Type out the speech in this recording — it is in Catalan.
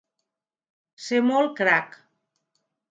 Ser molt crac.